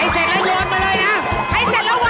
เช่นเถอะพอแล้ว